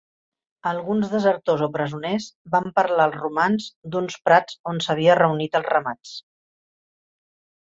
Alguns desertors o presoners van parlar als romans d'uns prats on s'havia reunit els ramats.